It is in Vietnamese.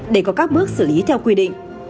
để có các bước xử lý theo quy định